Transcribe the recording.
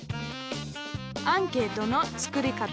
アンケートの作り方。